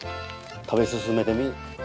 食べすすめてみ。